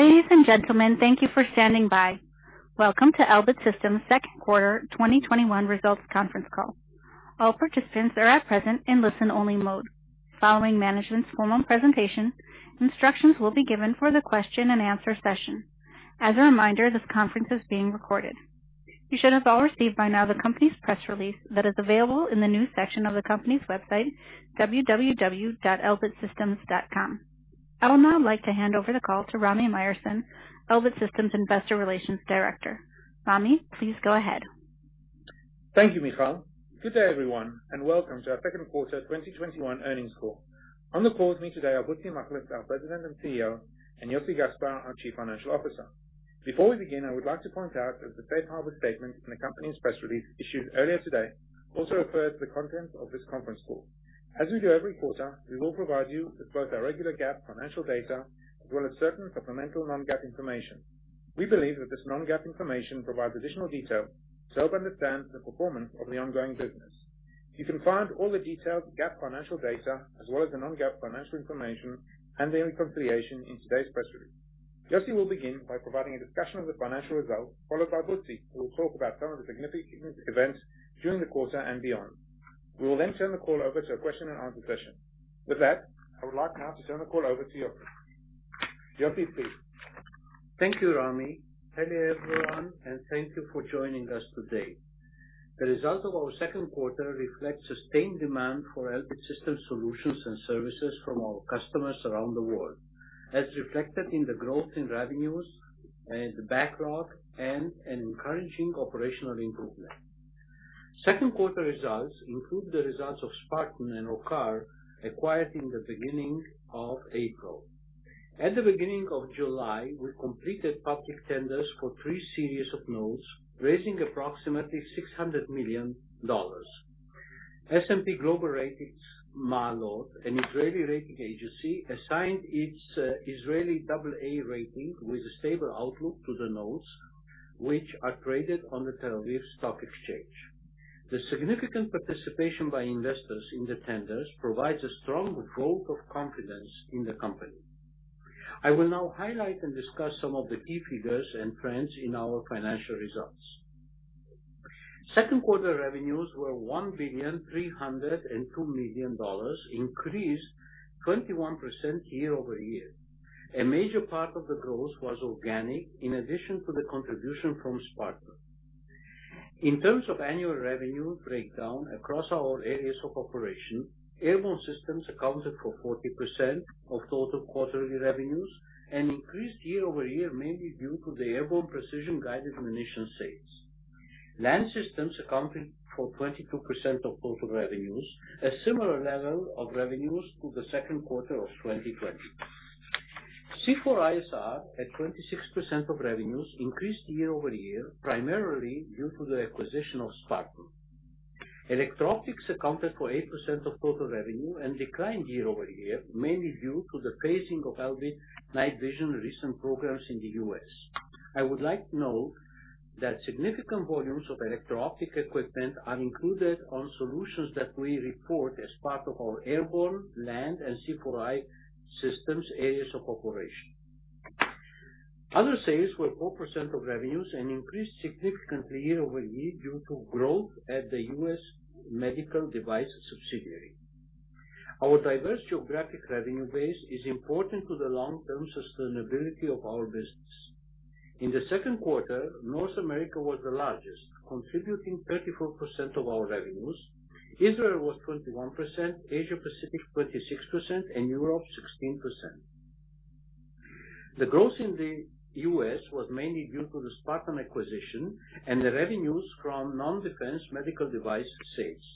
Ladies and gentlemen, thank you for standing by. Welcome to Elbit Systems' second quarter 2021 results conference call. All participants are at present in listen-only mode. Following management's formal presentation, instructions will be given for the question and answer session. As a reminder, this conference is being recorded. You should have all received by now the company's press release that is available in the news section of the company's website, www.elbitsystems.com. I would now like to hand over the call to Rami Myerson, Elbit Systems' Investor Relations Director. Rami, please go ahead, Thank you, Michal. Good day, everyone, and welcome to our second quarter 2021 earnings call. On the call with me today are Bezhalel Machlis, our President and CEO, and Yossi Gaspar, our Chief Financial Officer. Before we begin, I would like to point out that the safe harbor statement in the company's press release issued earlier today also applies to the content of this conference call. As we do every quarter, we will provide you with both our regular GAAP financial data as well as certain supplemental non-GAAP information. We believe that this non-GAAP information provides additional detail to help understand the performance of the ongoing business. You can find all the detailed GAAP financial data as well as the non-GAAP financial information and their reconciliation in today's press release. Yossi will begin by providing a discussion of the financial results, followed by Butzi, who will talk about some of the significant events during the quarter and beyond. We will then turn the call over to a question and answer session. With that, I would like now to turn the call over to Yossi. Yossi, please. Thank you, Rami. Hello, everyone, and thank you for joining us today. The results of our second quarter reflect sustained demand for Elbit Systems solutions and services from our customers around the world, as reflected in the growth in revenues, the backlog, and an encouraging operational improvement. Second quarter results include the results of Sparton and Rokar, acquired in the beginning of April. At the beginning of July, we completed public tenders for three series of notes, raising approximately $600 million. S&P Global Ratings Maalot, an Israeli rating agency, assigned its Israeli AA rating with a stable outlook to the notes, which are traded on the Tel Aviv Stock Exchange. The significant participation by investors in the tenders provides a strong vote of confidence in the company. I will now highlight and discuss some of the key figures and trends in our financial results. Second-quarter revenues were $1,302,000, increased 21% year-over-year. A major part of the growth was organic, in addition to the contribution from Sparton. In terms of annual revenue breakdown across our areas of operation, airborne systems accounted for 40% of total quarterly revenues and increased year-over-year, mainly due to the airborne precision-guided ammunition sales. Land systems accounted for 22% of total revenues, a similar level of revenues to the second quarter of 2020. C4ISR, at 26% of revenues, increased year-over-year, primarily due to the acquisition of Sparton. Electro-optics accounted for 8% of total revenue and declined year-over-year, mainly due to the phasing of Elbit night vision recent programs in the U.S. I would like to note that significant volumes of electro-optic equipment are included on solutions that we report as part of our airborne, land, and C4I systems areas of operation. Other sales were 4% of revenues and increased significantly year over year due to growth at the U.S. medical device subsidiary. Our diverse geographic revenue base is important to the long-term sustainability of our business. In the second quarter, North America was the largest, contributing 34% of our revenues. Israel was 21%, Asia Pacific 26%, and Europe 16%. The growth in the U.S. was mainly due to the Sparton acquisition and the revenues from non-defense medical device sales.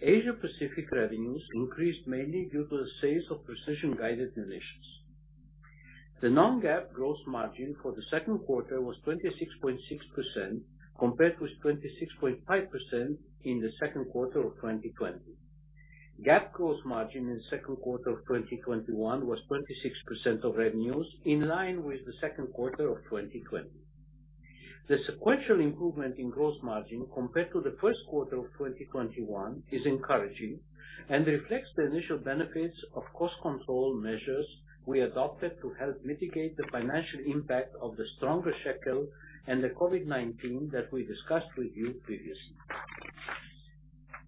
Asia Pacific revenues increased mainly due to the sales of precision-guided munitions. The non-GAAP gross margin for the second quarter was 26.6%, compared with 26.5% in the second quarter of 2020. GAAP gross margin in the second quarter of 2021 was 26% of revenues, in line with the second quarter of 2020. The sequential improvement in gross margin compared to the first quarter of 2021 is encouraging and reflects the initial benefits of cost control measures we adopted to help mitigate the financial impact of the stronger shekel and the COVID-19 that we discussed with you previously.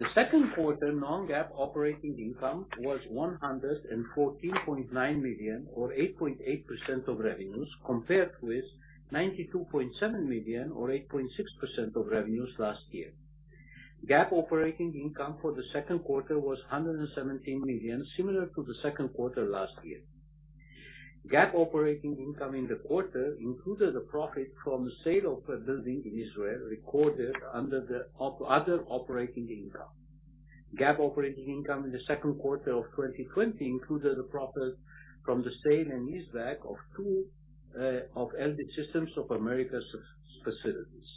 The second quarter non-GAAP operating income was $114.9 million or 8.8% of revenues, compared with $92.7 million or 8.6% of revenues last year. GAAP operating income for the second quarter was $117 million, similar to the second quarter last year. GAAP operating income in the quarter included a profit from the sale of a building in Israel recorded under the other operating income. GAAP operating income in the second quarter of 2020 included a profit from the sale and leaseback of two of Elbit Systems of America's facilities.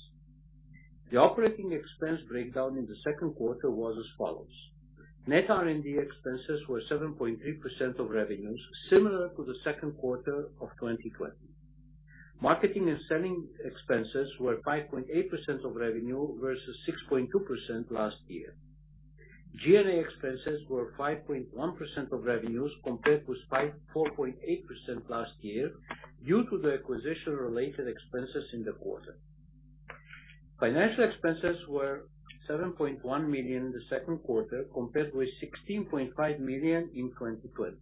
The operating expense breakdown in the second quarter was as follows. Net R&D expenses were 7.3% of revenues, similar to the second quarter of 2020. Marketing and selling expenses were 5.8% of revenue versus 6.2% last year. G&A expenses were 5.1% of revenues compared with 4.8% last year due to the acquisition-related expenses in the quarter. Financial expenses were $7.1 million in the second quarter compared with $16.5 million in 2020.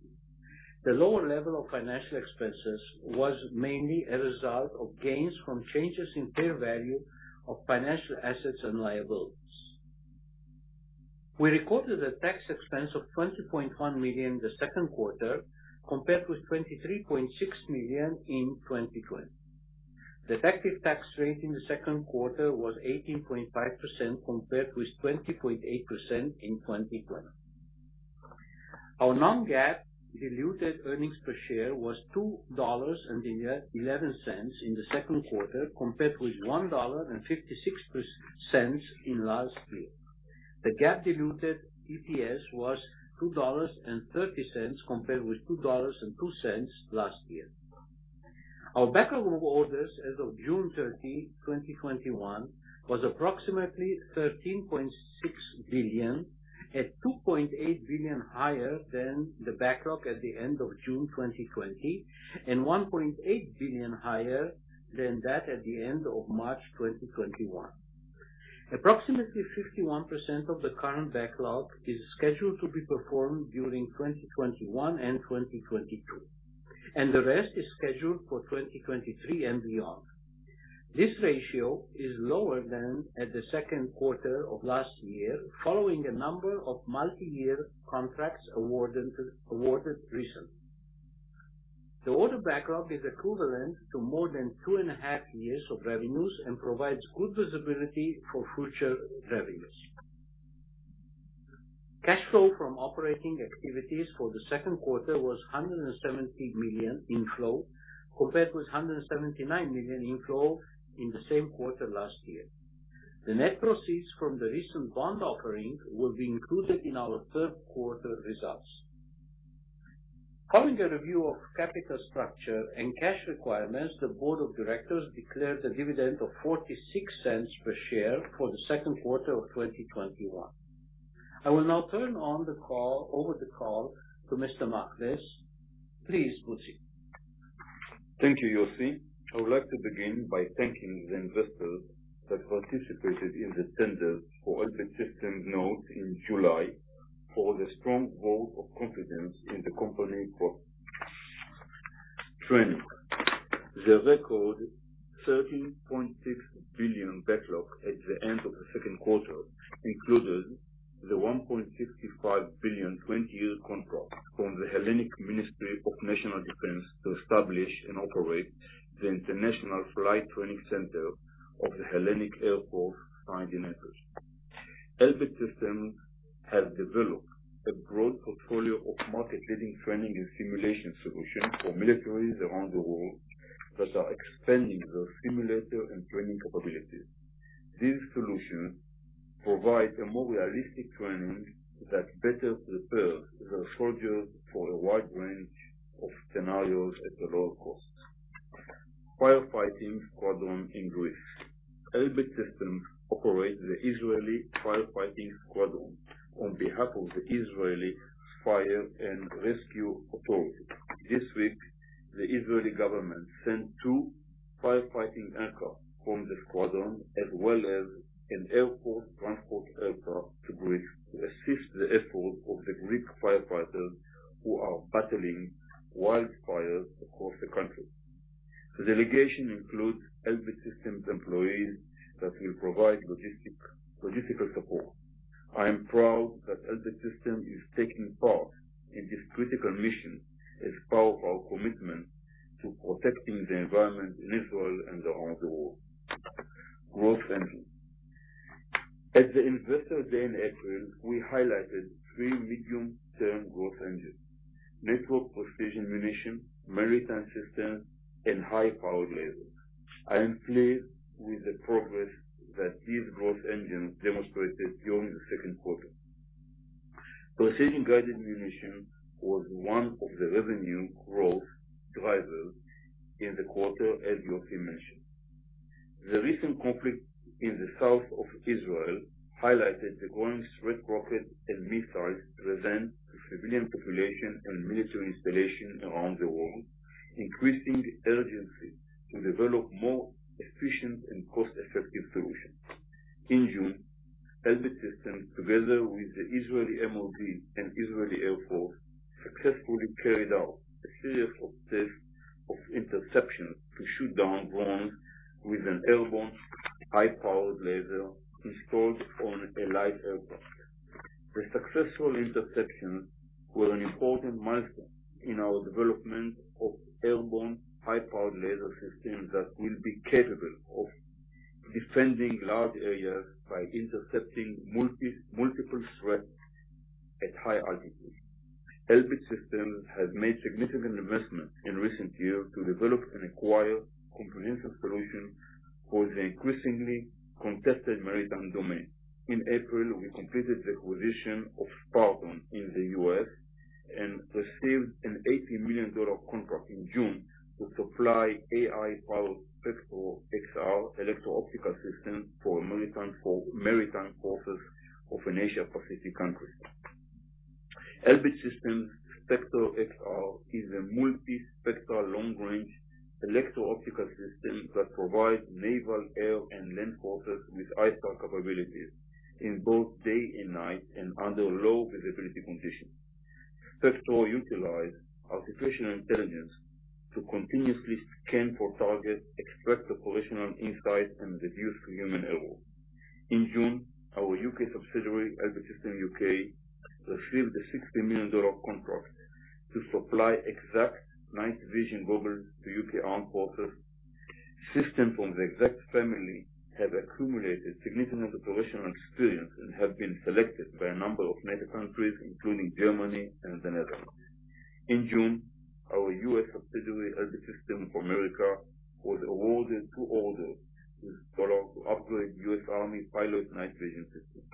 The lower level of financial expenses was mainly a result of gains from changes in fair value of financial assets and liabilities. We recorded a tax expense of $20.1 million in the second quarter compared with $23.6 million in 2020. The effective tax rate in the second quarter was 18.5% compared with 20.8% in 2020. Our non-GAAP diluted earnings per share was $2.11 in the second quarter compared with $1.56 in last year. The GAAP diluted EPS was $2.30 compared with $2.02 last year. Our backlog orders as of June 30, 2021, was approximately $13.6 billion at $2.8 billion higher than the backlog at the end of June 2020, and $1.8 billion higher than that at the end of March 2021. Approximately 51% of the current backlog is scheduled to be performed during 2021 and 2022, and the rest is scheduled for 2023 and beyond. This ratio is lower than at the second quarter of last year following a number of multi-year contracts awarded recently. The order backlog is equivalent to more than two and a half years of revenues and provides good visibility for future revenues. Cash flow from operating activities for the second quarter was $170 million inflow compared with $179 million inflow in the same quarter last year. The net proceeds from the recent bond offering will be included in our third quarter results. Following a review of capital structure and cash requirements, the board of directors declared a dividend of $0.46 per share for the second quarter of 2021. I will now turn over the call to Mr. Machlis. Please proceed. Thank you, Yossi. I would like to begin by thanking the investors that participated in the tenders for Elbit Systems notes in July for the strong vote of confidence in the company for training. The record $13.6 billion backlog at the end of the second quarter included the $1.65 billion 20-year contract from the Hellenic Ministry of National Defense to establish and operate the International Flight Training Center of the Hellenic Air Force, signed in April. Elbit Systems has developed a broad portfolio of market-leading training and simulation solutions for militaries around the world that are expanding their simulator and training capabilities. These solutions provide a more realistic training that better prepares the soldiers for a wide range of scenarios at a lower cost. Firefighting Squadron in Greece. Elbit Systems operates the Israeli Firefighting Squadron on behalf of the Israel Fire and Rescue Authority. This week, the Israeli government sent two firefighting aircraft from the squadron as well as an Air Force transport aircraft to Greece to assist the efforts of the Greek firefighters who are battling wildfires across the country. The delegation includes Elbit Systems employees that will provide logistical support. I am proud that Elbit Systems is taking part in this critical mission as part of our commitment to protecting the environment in Israel and around the world. Growth engines. At the Investor Day in April, we highlighted three medium-term growth engines. Network precision munition, maritime systems, and high-powered lasers. I am pleased with the progress that these growth engines demonstrated during the second quarter. Precision-guided munition was one of the revenue growth drivers in the quarter, as Yossi mentioned. The recent conflict in the south of Israel highlighted the growing threat rockets and missiles present to civilian population and military installations around the world, increasing the urgency to develop more efficient and cost-effective solutions. In June, Elbit Systems, together with the Israeli MOD and Israeli Air Force, successfully carried out a series of tests of interception to shoot down drones with an airborne high-powered laser installed on a light aircraft. The successful interceptions were an important milestone in our development of airborne high-powered laser systems that will be capable of defending large areas by intercepting multiple threats at high altitude. Elbit Systems has made significant investments in recent years to develop and acquire comprehensive solutions for the increasingly contested maritime domain. In April, we completed the acquisition of Sparton in the U.S. And received an $80 million contract in June to supply AI-powered SPECTRO XR electro-optical system for maritime forces of an Asia Pacific country. Elbit Systems' SPECTRO XR is a multi-spectral long-range electro-optical system that provides naval air and land forces with ISAR capabilities in both day and night, and under low visibility conditions. SPECTRO utilizes artificial intelligence to continuously scan for targets, extract operational insights, and reduce human error. In June, our U.K. subsidiary, Elbit Systems UK, received a $60 million contract to supply XACT Night Vision Goggles to U.K. armed forces. Systems from the XACT family have accumulated significant operational experience and have been selected by a number of NATO countries, including Germany and the Netherlands. In June, our U.S. subsidiary, Elbit Systems of America, was awarded two orders to upgrade U.S. Army pilot night vision systems.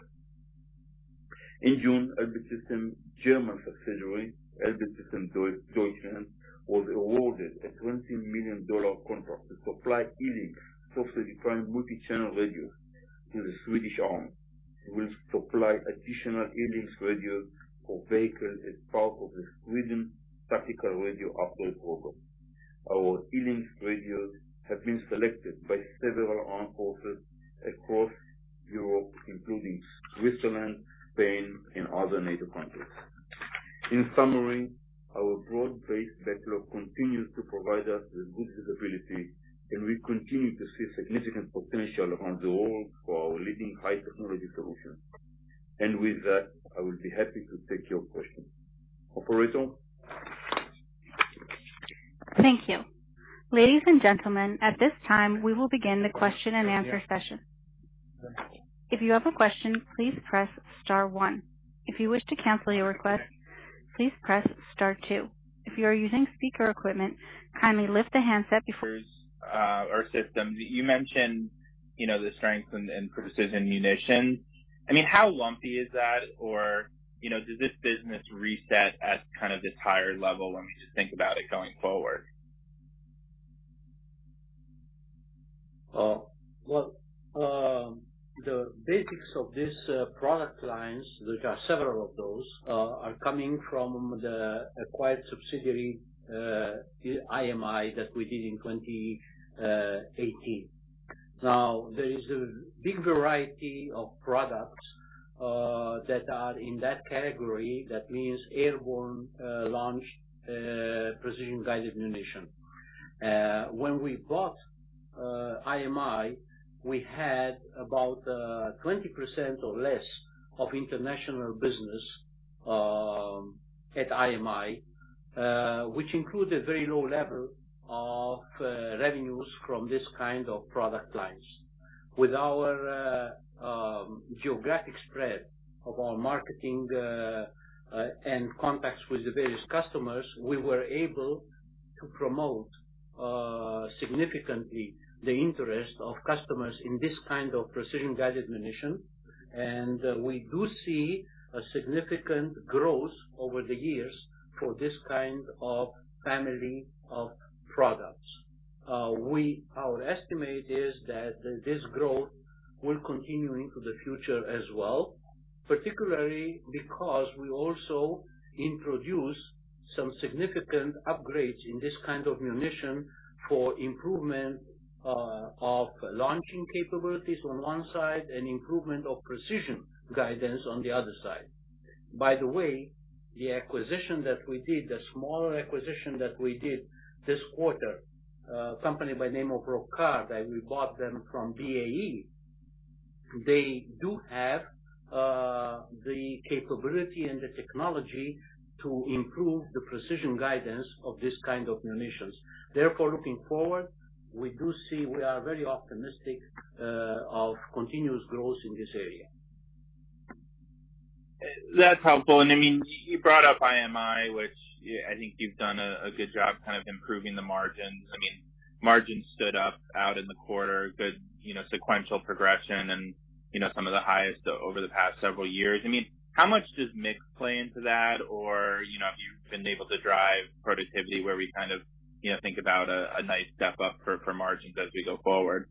In June, Elbit Systems' German subsidiary, Elbit Systems Deutschland, was awarded a $20 million contract to supply E-LynX software-defined multi-channel radios to the Swedish Army. It will supply additional E-LynX radios for vehicles as part of the Swedish tactical radio upgrade program. Our E-LynX radios have been selected by several armed forces across Europe, including Switzerland, Spain, and other NATO countries. In summary, our broad-based backlog continues to provide us with good visibility, and we continue to see significant potential around the world for our leading high-technology solutions. With that, I will be happy to take your questions. Operator? Thank you. Ladies and gentlemen, at this time, we will begin the question and answer session. If you have a question, please press star one. If you wish to cancel your request, please press star two. If you are using speaker equipment, kindly lift the handset before. Systems. You mentioned the strength in precision munition. How lumpy is that? Or, does this business reset at this higher level when we think about it going forward? The basics of these product lines, there are several of those, are coming from the acquired subsidiary, IMI, that we did in 2018. There is a big variety of products that are in that category. That means airborne launch, precision-guided munition. When we bought IMI, we had about 20% or less of international business at IMI, which included very low level of revenues from this kind of product lines. With our geographic spread of our marketing and contacts with the various customers, we were able to promote significantly the interest of customers in this kind of precision-guided munition. We do see a significant growth over the years for this kind of family of products. Our estimate is that this growth will continue into the future as well, particularly because we also introduce some significant upgrades in this kind of munition for improvement of launching capabilities on one side, and improvement of precision guidance on the other side. By the way, the acquisition that we did, the smaller acquisition that we did this quarter, a company by the name of Rokar, that we bought them from BAE. They do have the capability and the technology to improve the precision guidance of this kind of munitions. Therefore, looking forward, we do see we are very optimistic of continuous growth in this area. That's helpful. You brought up IMI, which I think you've done a good job improving the margins. Margins stood up out in the quarter, good sequential progression, and some of the highest over the past several years. How much does mix play into that? Have you been able to drive productivity where we think about a nice step up for margins as we go forward?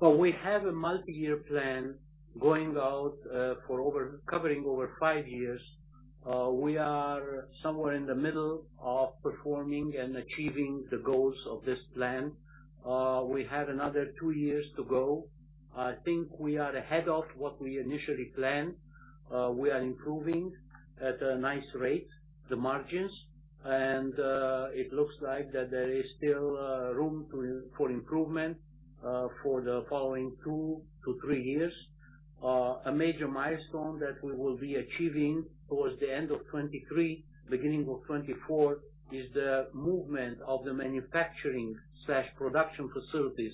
We have a multi-year plan going out, covering over five years. We are somewhere in the middle of performing and achieving the goals of this plan. We have another two years to go. I think we are ahead of what we initially planned. We are improving at a nice rate, the margins, and it looks like that there is still room for improvement for the following two to three years. A major milestone that we will be achieving towards the end of 2023, beginning of 2024, is the movement of the manufacturing/production facilities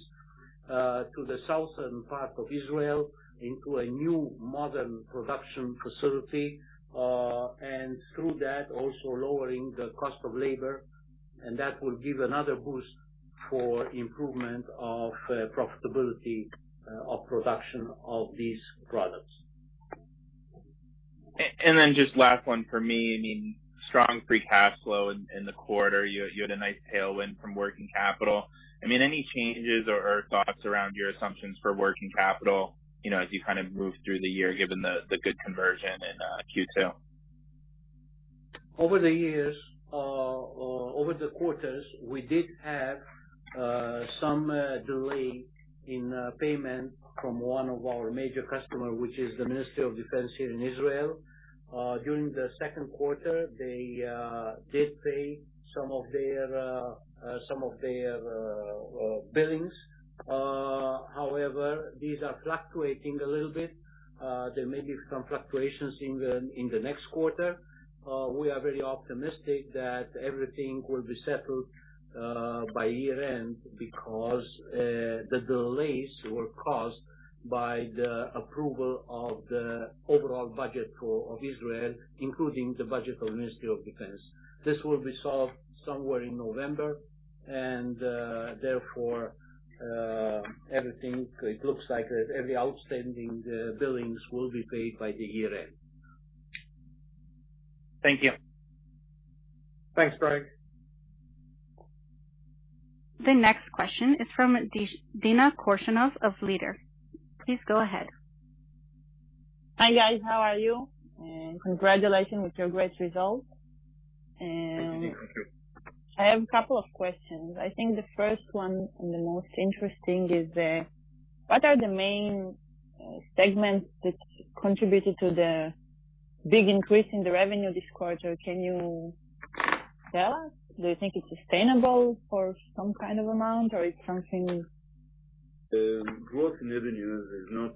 to the southern part of Israel into a new modern production facility. Through that, also lowering the cost of labor, and that will give another boost for improvement of profitability of production of these products. Just last one for me. Strong free cash flow in the quarter. You had a nice tailwind from working capital. Any changes or thoughts around your assumptions for working capital, as you move through the year, given the good conversion in Q2? Over the years, or over the quarters, we did have some delay in payment from one of our major customer, which is the Ministry of Defense here in Israel. During the second quarter, they did pay some of their billings. However, these are fluctuating a little bit. There may be some fluctuations in the next quarter. We are very optimistic that everything will be settled by year-end because the delays were caused by the approval of the overall budget of Israel, including the budget of Ministry of Defense. This will be solved somewhere in November, and therefore, it looks like every outstanding billings will be paid by the year-end. Thank you. Thanks, Greg. The next question is from Dina Korshunov of Leader. Please go ahead. Hi, guys. How are you? Congratulations with your great results. Thank you. I have a couple of questions. I think the first one and the most interesting is, what are the main segments that contributed to the big increase in the revenue this quarter? Can you tell us? Do you think it's sustainable for some kind of amount, or it's something? The growth in revenue is not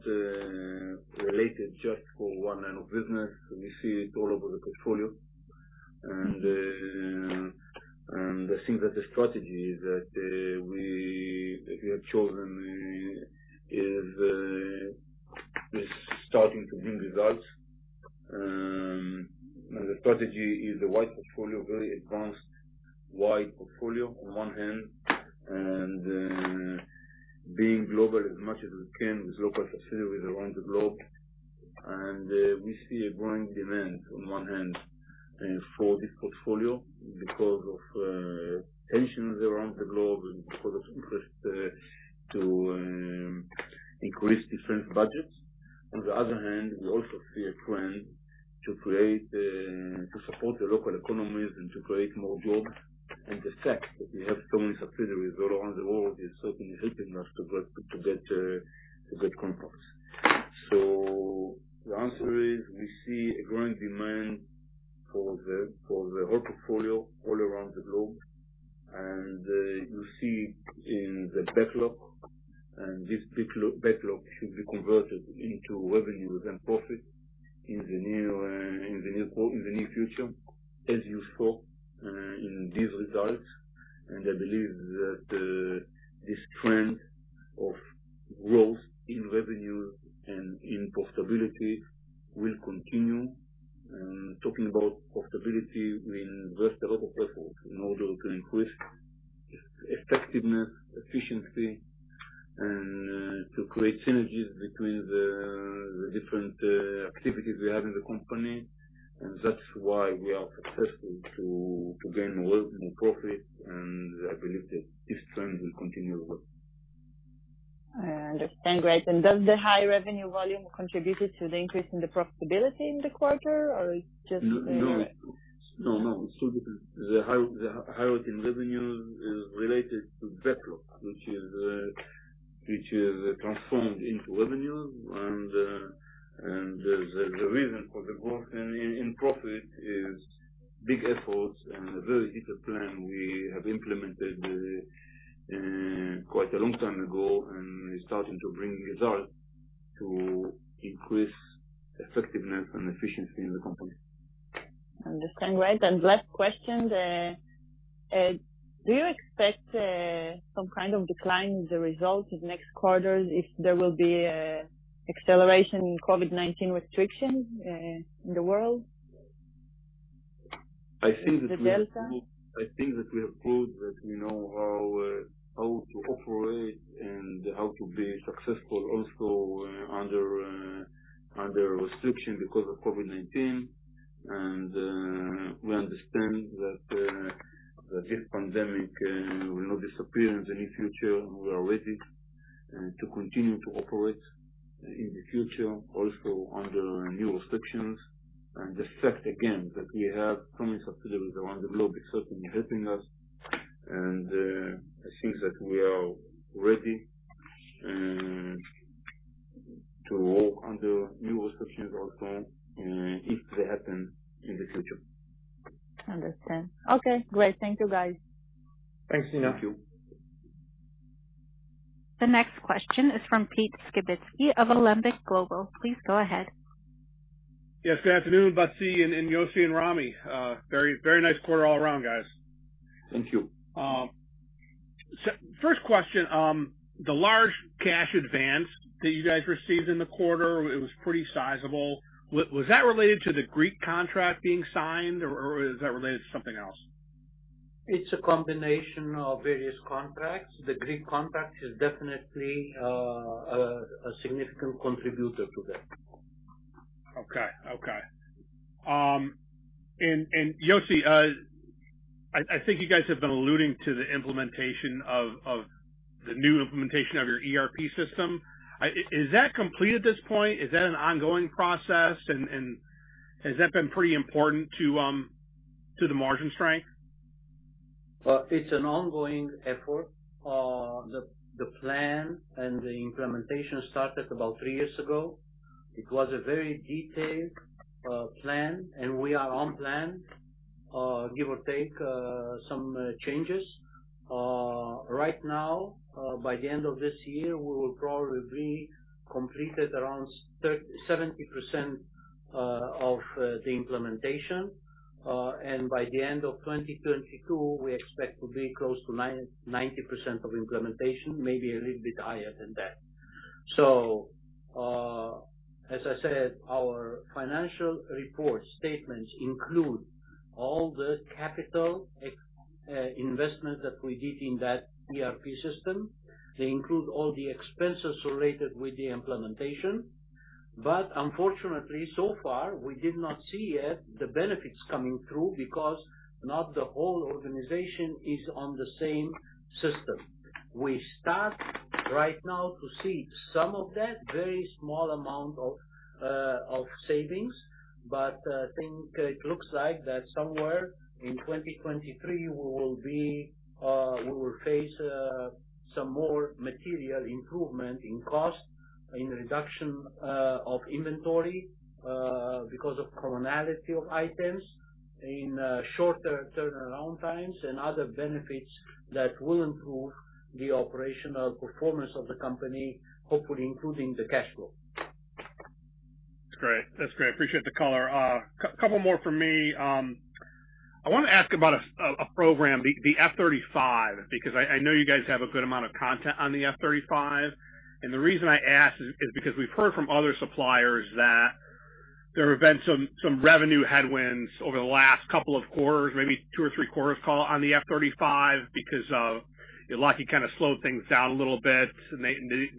related just for one line of business. We see it all over the portfolio. I think that the strategy that we have chosen is starting to bring results. The strategy is a wide portfolio, very advanced wide portfolio on one hand, and then being global as much as we can with local subsidiaries around the globe. We see a growing demand on one hand for this portfolio because of tensions around the globe and because of interest to increase defense budgets. On the other hand, we also see a trend to support the local economies and to create more jobs. The fact that we have so many subsidiaries all around the world is certainly helping us to get contracts. The answer is, we see a growing demand for the whole portfolio all around the globe, and you see it in the backlog, and this backlog should be converted into revenues and profit in the near future, as you saw in these results. I believe that this trend of growth in revenue and in profitability will continue. Talking about profitability, we invest a lot of efforts in order to increase effectiveness, efficiency, and to create synergies between the different activities we have in the company. That's why we are successful to gain more profit, and I believe that this trend will continue as well. I understand. Great. Does the high revenue volume contributed to the increase in the profitability in the quarter? The high revenue is related to backlog, which is transformed into revenue. The reason for the growth in profit is big efforts and a very heated plan we have implemented quite a long time ago, and it's starting to bring results to increase effectiveness and efficiency in the company. Understand. Great. Last question, do you expect some kind of decline in the results of next quarters if there will be acceleration in COVID-19 restrictions in the world? I think that. The Delta. I think that we have proved that we know how to operate and how to be successful also under restriction because of COVID-19. We understand that this pandemic will not disappear in the near future, and we are ready to continue to operate in the future also under new restrictions. The fact, again, that we have so many subsidiaries around the globe is certainly helping us. I think that we are ready to work under new restrictions also if they happen in the future. Understand. Okay, great. Thank you, guys. Thanks, Dina. Thank you. The next question is from Pete Skibitski of Alembic Global. Please go ahead. Yes. Good afternoon, Butzi and Yossi and Rami. Very nice quarter all around, guys. Thank you. First question. The large cash advance that you guys received in the quarter, it was pretty sizable. Was that related to the Greek contract being signed, or is that related to something else? It's a combination of various contracts. The Greek contract is definitely a significant contributor to that. Okay. Yossi, I think you guys have been alluding to the new implementation of your ERP system. Is that complete at this point? Is that an ongoing process? Has that been pretty important to the margin strength? It's an ongoing effort. The plan and the implementation started about three years ago. It was a very detailed plan. We are on plan, give or take some changes. Right now, by the end of this year, we will probably be completed around 70% of the implementation. By the end of 2022, we expect to be close to 90% of implementation, maybe a little bit higher than that. As I said, our financial report statements include all the capital investment that we did in that ERP system. They include all the expenses related with the implementation. Unfortunately, so far, we did not see yet the benefits coming through because not the whole organization is on the same system. We start right now to see some of that, very small amount of savings, but I think it looks like that somewhere in 2023, we will face some more material improvement in cost, in reduction of inventory because of commonality of items, in shorter turnaround times, and other benefits that will improve the operational performance of the company, hopefully including the cash flow. That's great. Appreciate the color. A couple more from me. I want to ask about a program, the F-35, because I know you guys have a good amount of content on the F-35. The reason I ask is because we've heard from other suppliers that there have been some revenue headwinds over the last couple of quarters, maybe two or three quarters on the F-35 because Lockheed kind of slowed things down a little bit, and they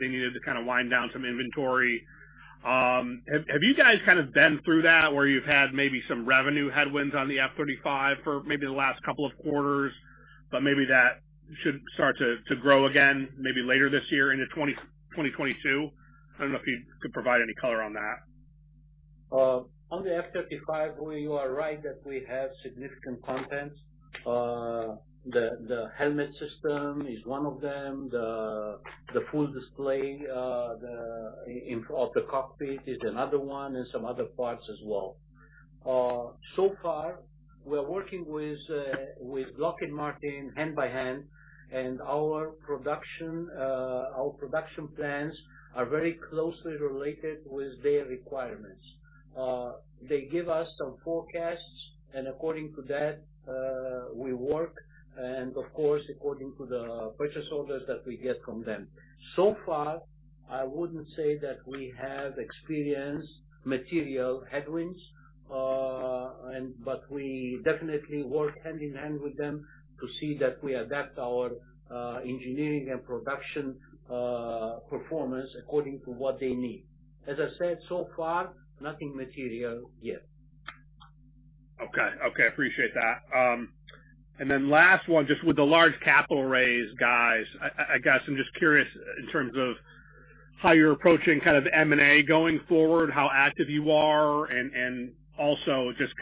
needed to kind of wind down some inventory. Have you guys kind of been through that, where you've had maybe some revenue headwinds on the F-35 for maybe the last couple of quarters, but maybe that should start to grow again, maybe later this year into 2022? I don't know if you could provide any color on that. On the F-35, you are right that we have significant content. The helmet system is one of them. The full display of the cockpit is another one, and some other parts as well. So far, we're working with Lockheed Martin hand by hand, and our production plans are very closely related with their requirements. They give us some forecasts, and according to that, we work, and of course, according to the purchase orders that we get from them. So far, I wouldn't say that we have experienced material headwinds, but we definitely work hand in hand with them to see that we adapt our engineering and production performance according to what they need. As I said, so far, nothing material yet. Okay. I appreciate that. Then last one, just with the large capital raise, guys, I guess I'm just curious in terms of how you're approaching kind of M&A going forward, how active you are, and also just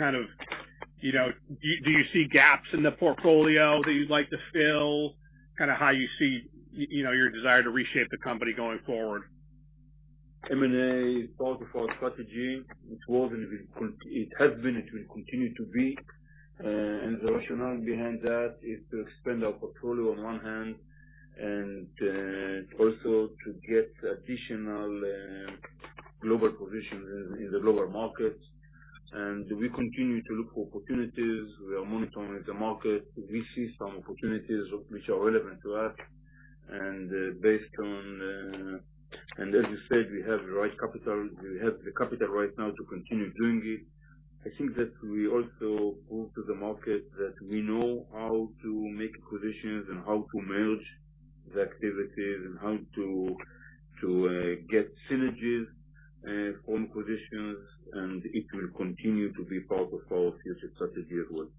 do you see gaps in the portfolio that you'd like to fill, kind of how you see your desire to reshape the company going forward? M&A is part of our strategy. It was and it has been, it will continue to be. The rationale behind that is to expand our portfolio on one hand and also to get additional global position in the global markets. We continue to look for opportunities. We are monitoring the market. We see some opportunities which are relevant to us. As you said, we have the capital right now to continue doing it. I think that we also go to the market that we know how to make positions and how to merge the activities and how to get synergies from positions, and it will continue to be part of our future strategy as well.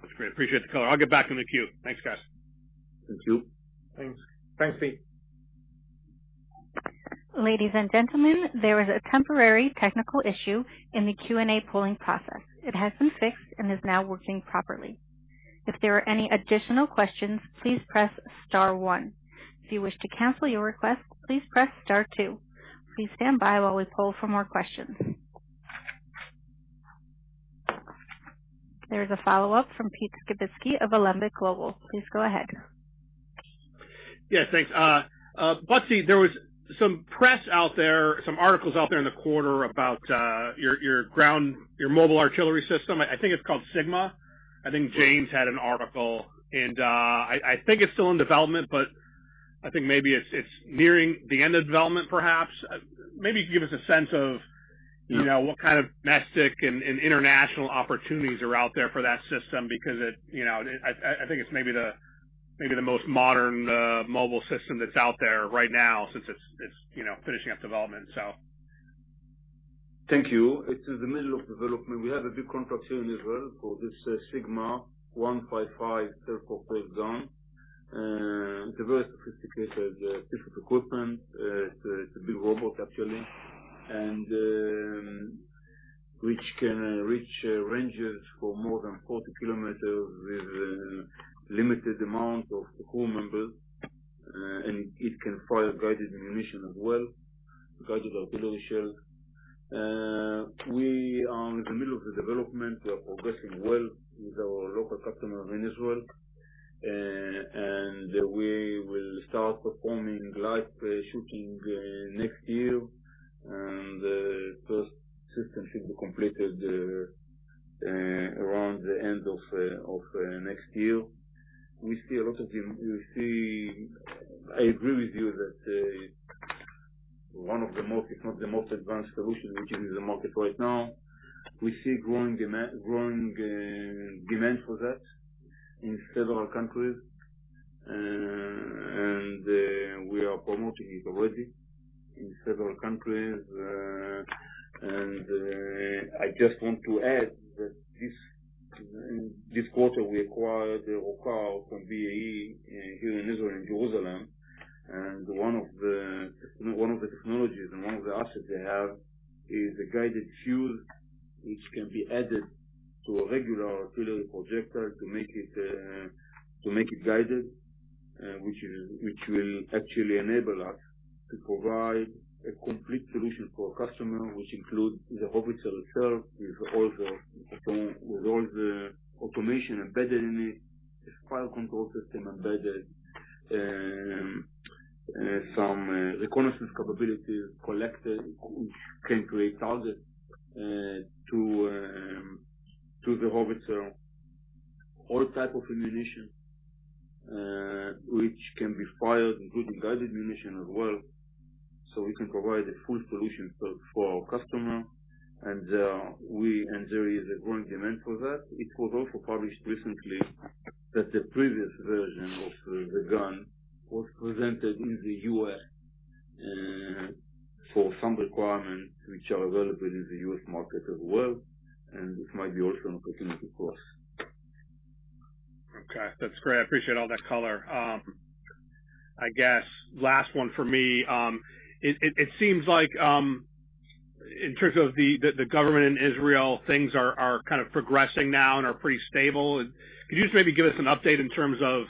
That's great. Appreciate the color. I'll get back in the queue. Thanks, guys. Thank you. Thanks. Thanks, Pete. Ladies and gentlemen, there was a temporary technical issue in the Q&A polling process. It has been fixed and is now working properly. If there are any additional questions, please press star one. If you wish to cancel your request, please press star two. Please stand by while we poll for more questions. There's a follow-up from Pete Skibitski of Alembic Global Advisors. Please go ahead. Yeah, thanks. Butzi, there was some press out there, some articles out there in the quarter about your mobile artillery system. I think it's called SIGMA. I think Jane's had an article. I think it's still in development, but I think maybe it's nearing the end of development, perhaps. Maybe give us a sense of what kind of domestic and international opportunities are out there for that system, because I think it's maybe the most modern mobile system that's out there right now since it's finishing up development. Thank you. It's in the middle of development. We have a big contract here in Israel for this SIGMA 155 turret self gun. It's a very sophisticated piece of equipment. It's a big robot, actually, which can reach ranges for more than 40 km with a limited amount of crew members, and it can fire guided ammunition as well, guided artillery shells. We are in the middle of the development. We are progressing well with our local customer in Israel, and we will start performing live shooting next year, and the first system should be completed around the end of next year. I agree with you that one of the most, if not the most advanced solution which is in the market right now. We see growing demand for that in several countries, and we are promoting it already in several countries. I just want to add that this quarter, we acquired Rokar from BAE here in Israel, in Jerusalem. One of the technologies and one of the assets they have is a guided fuse, which can be added to a regular artillery projector to make it guided, which will actually enable us to provide a complete solution for a customer, which includes the howitzer itself with all the automation embedded in it, its fire control system embedded, some reconnaissance capabilities collected, which can create targets to the howitzer. All type of ammunition, which can be fired, including guided ammunition as well. We can provide a full solution for our customer. There is a growing demand for that. It was also published recently that the previous version of the gun was presented in the U.S. for some requirements which are available in the U.S. market as well. This might be also an opportunity for us. Okay. That's great. I appreciate all that color. I guess last one for me. It seems like in terms of the government in Israel, things are kind of progressing now and are pretty stable. Could you just maybe give us an update in terms of,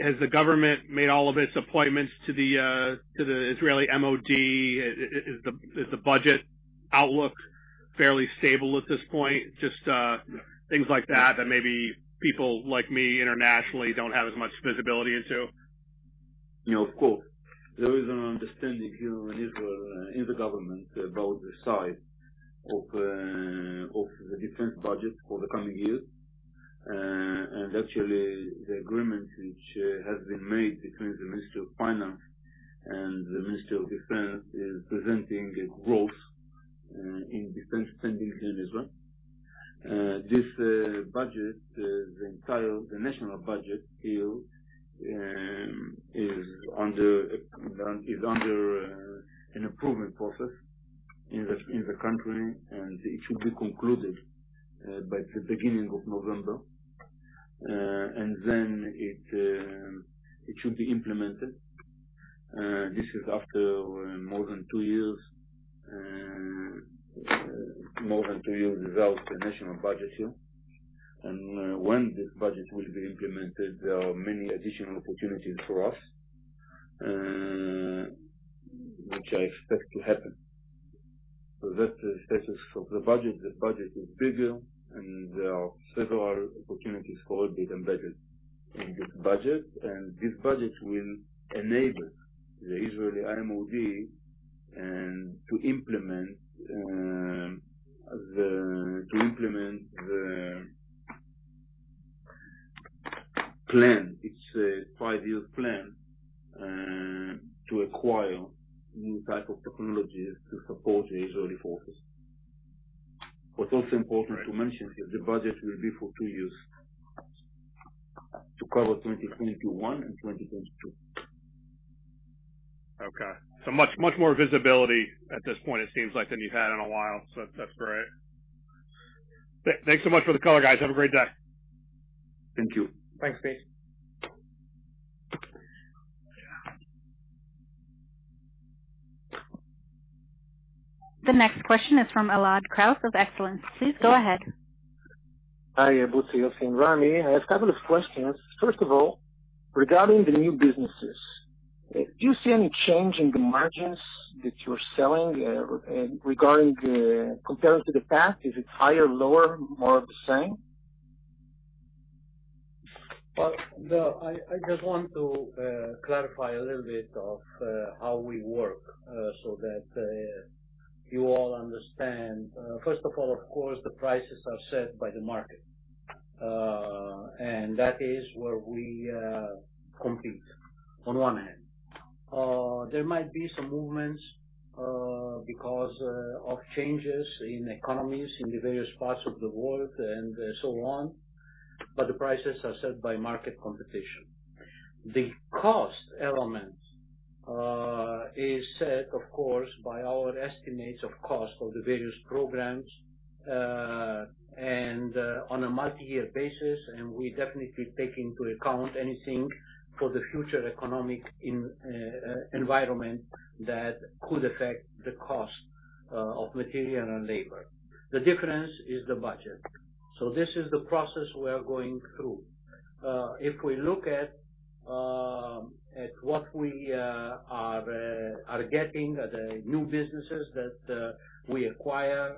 has the government made all of its appointments to the Israeli MOD? Is the budget outlook fairly stable at this point? Just things like that maybe people like me internationally don't have as much visibility into. Of course. There is an understanding here in Israel in the government about the size of the defense budget for the coming years. Actually, the agreement which has been made between the Ministry of Finance and the Ministry of Defense is presenting a growth in defense spending in Israel. This budget, the national budget here is under an improvement process in the country, and it should be concluded by the beginning of November. It should be implemented. This is after more than two years without a national budget here. When this budget will be implemented, there are many additional opportunities for us, which I expect to happen. That's the status of the budget. The budget is bigger, and there are several opportunities for Elbit embedded in this budget. This budget will enable the Israeli MOD to implement the plan. It's a five year plan to acquire new types of technologies to support the Israeli forces. What's also important to mention is the budget will be for two years, to cover 2021 and 2022. Okay. Much more visibility at this point, it seems like, than you've had in a while, so that's great. Thanks so much for the color, guys. Have a great day. Thank you. Thanks, Pete. The next question is from Elad Kraus of Excellence. Please go ahead. Hi, Butzi, Yossi, and Rami. I have a couple of questions. First of all, regarding the new businesses, do you see any change in the margins that you're selling compared to the past? Is it higher, lower, more of the same? I just want to clarify a little bit of how we work so that you all understand. First of all, of course, the prices are set by the market, and that is where we compete on one hand. There might be some movements because of changes in economies in the various parts of the world, and so on, but the prices are set by market competition. The cost element is set, of course, by our estimates of cost of the various programs, and on a multi-year basis, and we definitely take into account anything for the future economic environment that could affect the cost of material and labor. The difference is the budget. This is the process we are going through. If we look at what we are getting, the new businesses that we acquire,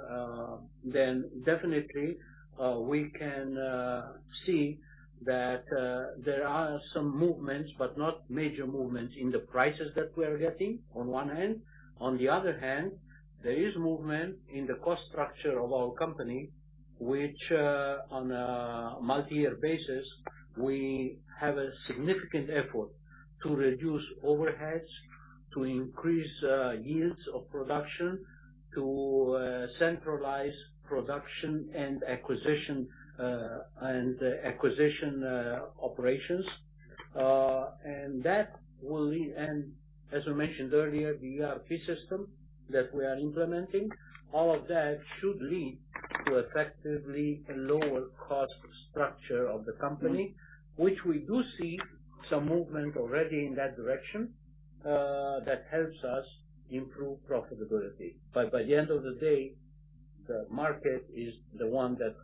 then definitely, we can see that there are some movements, but not major movements in the prices that we are getting on one hand. On the other hand, there is movement in the cost structure of our company, which on a multi-year basis, we have a significant effort to reduce overheads, to increase yields of production, to centralize production and acquisition operations. As we mentioned earlier, the ERP system that we are implementing, all of that should lead to effectively a lower cost structure of the company, which we do see some movement already in that direction that helps us improve profitability. By the end of the day, the market is the one that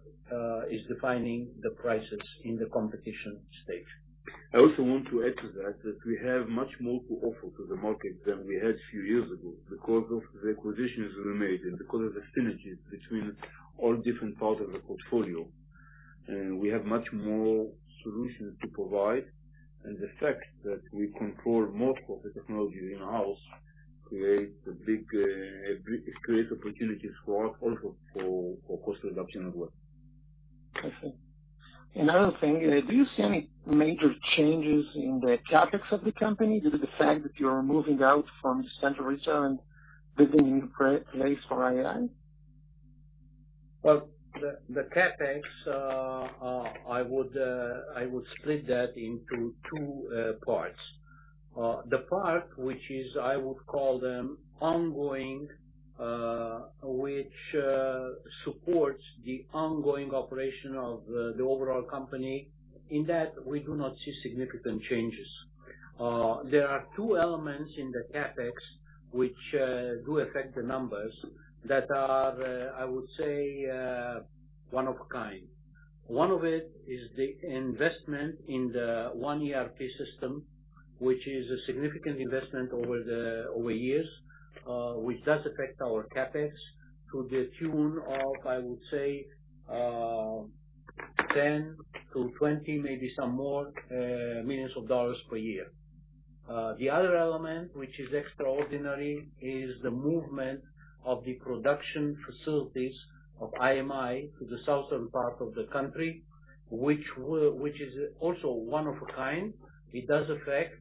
is defining the prices in the competition stage. I also want to add to that we have much more to offer to the market than we had a few years ago because of the acquisitions we made and because of the synergies between all different parts of the portfolio. We have much more solutions to provide, and the fact that we control most of the technology in-house creates opportunities for us also for cost reduction as well. I see. Another thing, do you see any major changes in the CapEx of the company due to the fact that you're moving out from Central Israel and building a new place for IMI? Well, the CapEx, I would split that into two parts. The part which is, I would call them ongoing, which supports the ongoing operation of the overall company. In that, we do not see significant changes. There are two elements in the CapEx which do affect the numbers that are, I would say, one of a kind. One of it is the investment in the one ERP system, which is a significant investment over years, which does affect our CapEx to the tune of, I would say, $10 million-$20 million, maybe some more millions of dollars per year. The other element, which is extraordinary, is the movement of the production facilities of IMI to the southern part of the country, which is also one of a kind. It does affect,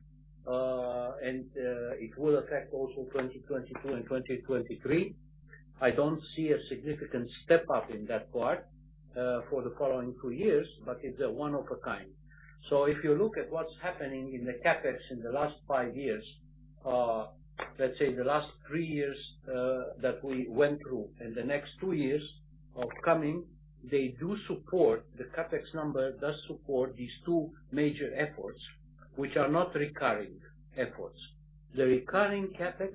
and it will affect also 2022 and 2023. I don't see a significant step up in that part for the following two years, but it's one of a kind. If you look at what's happening in the CapEx in the last five years, let's say the last three years that we went through and the next two years upcoming, the CapEx number does support these two major efforts, which are not recurring efforts. The recurring CapEx,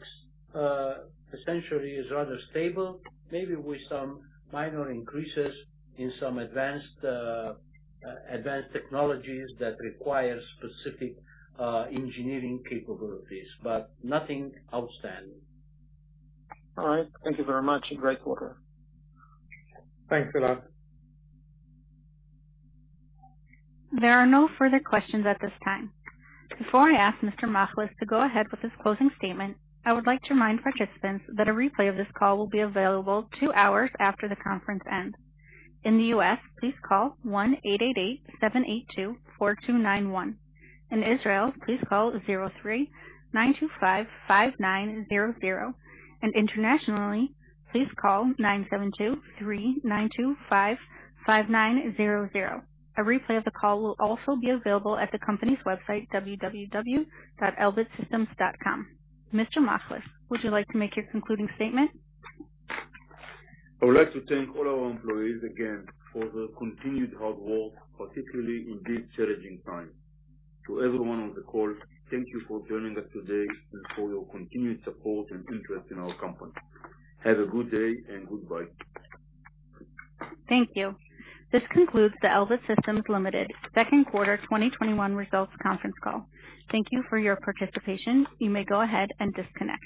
essentially, is rather stable, maybe with some minor increases in some advanced technologies that require specific engineering capabilities, but nothing outstanding. All right. Thank you very much. Great quarter. Thanks a lot. There are no further questions at this time. Before I ask Mr. Machlis to go ahead with his closing statement, I would like to remind participants that a replay of this call will be available two hours after the conference ends. In the U.S., please call 1-888-782-4291. In Israel, please call 03-925-5900, and internationally, please call 972-3-925-5900. A replay of the call will also be available at the company's website, www.elbitsystems.com. Mr. Machlis, would you like to make your concluding statement? I would like to thank all our employees again for their continued hard work, particularly in these challenging times. To everyone on the call, thank you for joining us today and for your continued support and interest in our company. Have a good day, and goodbye. Thank you. This concludes the Elbit Systems Ltd. Second quarter 2021 results conference call. Thank you for your participation. You may go ahead and disconnect.